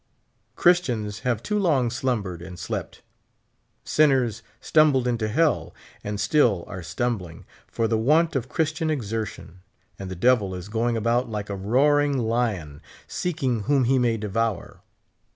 Christians have too long slumbered and slept. Sinners stumbled into hell, and still are stumbling, for the want of Christian exertion ; and the devil is going about like a roaring lion seeking whom he may devour.